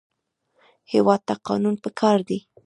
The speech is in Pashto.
هېواد ته قانون پکار دی